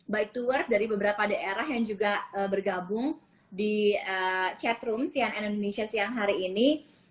byte dua work dari beberapa daerah yang juga bergabung di chatroom cian and indonesia siang hari ini